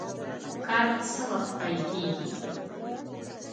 کار څه وخت پیل کیږي؟